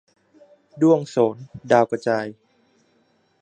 ด้วงโสน-ดาวกระจาย